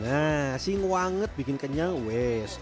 nah sing wanget bikin kenyang wes